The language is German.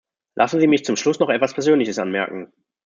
Lassen Sie mich zum Schluss noch etwas Persönliches anmerken.